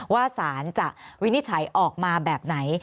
สารจะวินิจฉัยออกมาแบบไหน